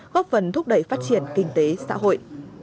góp phần thúc đẩy phát triển kinh tế xã hội